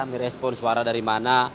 merespon suara dari mana